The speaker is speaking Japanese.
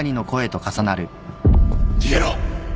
逃げろ！